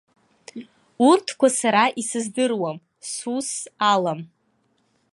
Урҭқәа сара исыздыруам, сусс алам.